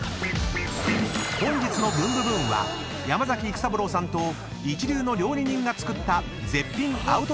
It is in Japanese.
［本日の『ブンブブーン！』は山崎育三郎さんと一流の料理人が作った絶品アウトドアメシに舌鼓］